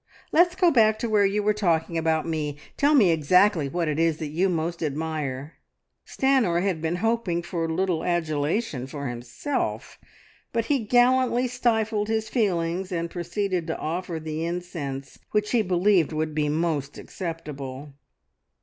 ... "Let's go back to where you were talking about me! Tell me exactly what it is that you most admire?" Stanor had been hoping for a little adulation for himself, but he gallantly stifled his feelings and proceeded to offer the incense which he believed would be most acceptable.